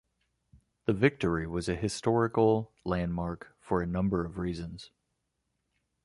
The victory was a historical landmark for a number of reasons.